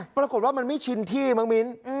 ปรากฏว่ามันไม่ชินที่มั้งมิ้น